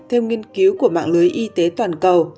theo nghiên cứu của mạng lưới y tế toàn cầu